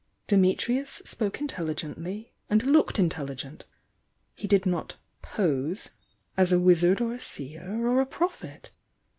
Dimitrius spoke intelligently and looked intelligent; he did not "pose" as a wizard or a seei, or a prophet.